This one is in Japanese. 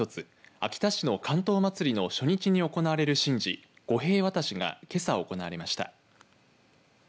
秋田市の竿燈まつりの初日に行われる神事御幣渡しがけさ、行われました。